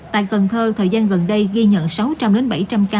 tại cần thơ thời gian gần đây ghi nhận sáu trăm linh bảy trăm linh ca